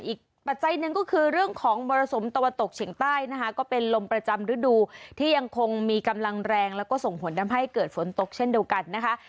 ปัจจัยหนึ่งก็คือเรื่องของมรสุมตะวันตกเฉียงใต้นะคะก็เป็นลมประจำฤดูที่ยังคงมีกำลังแรงแล้วก็ส่งผลทำให้เกิดฝนตกเช่นเดียวกันนะคะ